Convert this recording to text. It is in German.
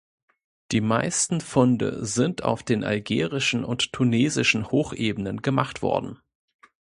Die meisten Funde sind auf den algerischen und tunesischen Hochebenen gemacht worden.